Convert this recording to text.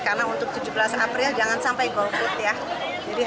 karena untuk tujuh belas april jangan sampai golput ya